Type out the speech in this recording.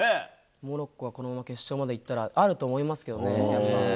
モロッコはこのまま決勝までいったら、あると思いますけどね、やっぱ。